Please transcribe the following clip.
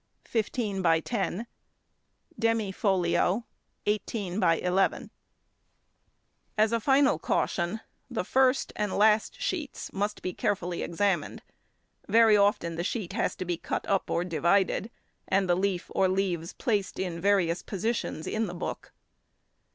15 ×10 Demy Folio 18 ×11 As a final caution, the first and last sheets must be carefully examined; very often the sheet has to be cut up or divided, and the leaf or leaves placed in various positions in the book.